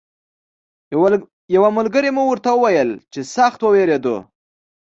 یوه ملګري مو ورته ویل چې سخت ووېرېدو.